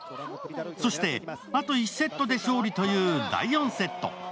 そしてあと１セットで勝利という第４セット。